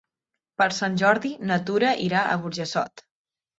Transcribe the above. Per Sant Jordi na Tura irà a Burjassot.